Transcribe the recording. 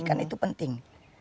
kan itu penting